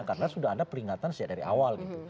karena sudah ada peringatan sejak dari awal gitu